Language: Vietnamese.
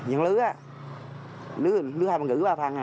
ăn lứa lứa hai bằng ngữ ba phân à